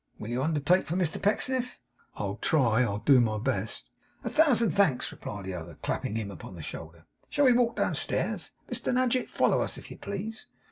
Will you undertake for Mr Pecksniff.' 'I'll try. I'll do my best.' 'A thousand thanks,' replied the other, clapping him upon the shoulder. 'Shall we walk downstairs? Mr Nadgett! Follow us, if you please.